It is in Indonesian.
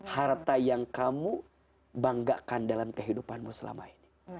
harta yang kamu banggakan dalam kehidupanmu selama ini